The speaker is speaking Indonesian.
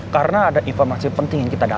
karena ada informasi penting yang kita dapet